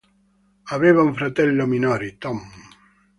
Aveva un fratello minore, Tom.